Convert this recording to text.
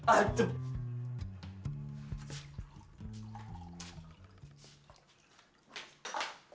aduh aduh aduh aduh